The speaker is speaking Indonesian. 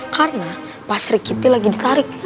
karena pasik ginti lagi ditarik